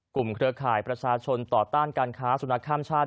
เครือข่ายประชาชนต่อต้านการค้าสุนัขข้ามชาติ